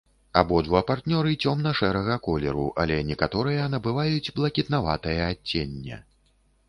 Абодва партнёры цёмна-шэрага колеру, але некаторыя набываюць блакітнаватае адценне.